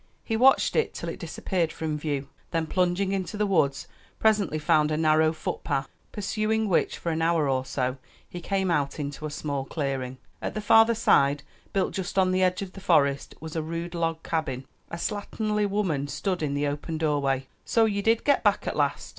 He watched it till it disappeared from view, then plunging into the woods, presently found a narrow foot path, pursuing which for an hour or so he came out into a small clearing. At the farther side, built just on the edge of the forest, was a rude log cabin. A slatternly woman stood in the open doorway. "So ye did get back at last?"